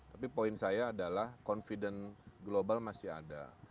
tapi poin saya adalah confident global masih ada